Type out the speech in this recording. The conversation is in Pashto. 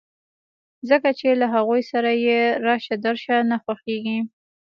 ځکه چې له هغوی سره يې راشه درشه نه خوښېږي.